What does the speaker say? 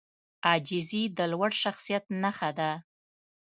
عاجزي د لوړ شخصیت نښه ده.